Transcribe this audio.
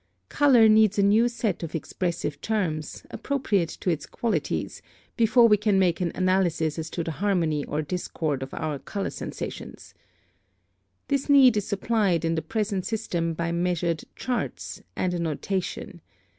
Color needs a new set of expressive terms, appropriate to its qualities, before we can make an analysis as to the harmony or discord of our color sensations. (47) This need is supplied in the present system by measured CHARTS, and a NOTATION.